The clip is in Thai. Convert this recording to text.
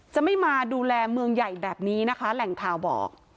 จะไม่มาดูแลเมืองใหญ่แบบนี้นะคะแหล่งข่าวบอก